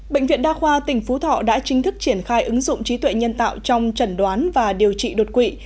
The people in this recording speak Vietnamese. bệnh viện đa khoa tỉnh phú thọ đã chính thức triển khai ứng dụng trí tuệ nhân tạo trong trần đoán và điều trị đột quỵ